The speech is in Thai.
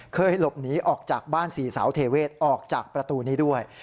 หลบหนีออกจากบ้านสี่สาวเทเวศออกจากประตูนี้ด้วย